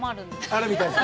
あるみたいです。